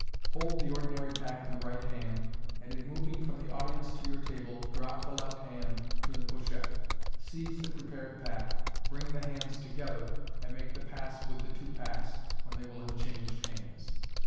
Hold the ordinary pack in the right hand, and in mov ing from the audience to your table, drop the left hand to the pochette, seize the prepared pack, bring the hands together, and make the pass with the two packs, when they will have changed hands.